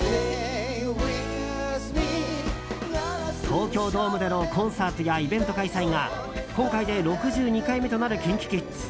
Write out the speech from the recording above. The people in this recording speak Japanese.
東京ドームでのコンサートやイベント開催が今回で６２回目となるＫｉｎＫｉＫｉｄｓ。